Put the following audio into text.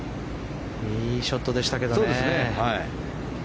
いいショットでしたけどね。